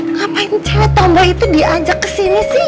ngapain chat tomboy itu diajak kesini sih